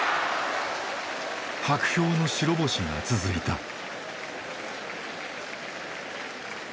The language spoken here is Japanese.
薄氷の白星が続いた。